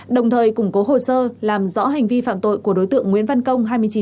đồng thời củng cố hồ sơ làm rõ hành vi phạm tội của đối tượng nguyễn văn công hai mươi chín tuổi